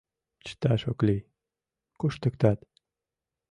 Чыташ ок лий, куштыктат.